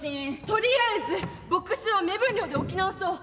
とりあえずボックスを目分量で置き直そう。